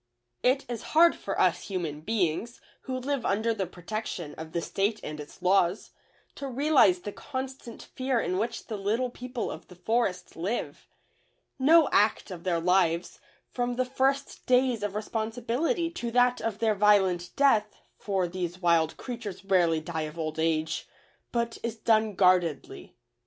It is hard for us human beings, who live under the protection of the State and its laws, to realize the constant fear in which the Little People of the Forest live. No act of their lives, from the first days of responsibility to that of their violent death (for these wild creatures rarely die of old age) but is done guardedly.